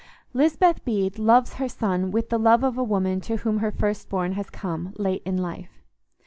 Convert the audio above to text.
Lisbeth Bede loves her son with the love of a woman to whom her first born has come late in life.